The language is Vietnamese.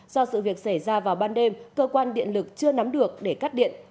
do sự việc xảy ra vào ban đêm cơ quan điện lực chưa nắm được để cắt điện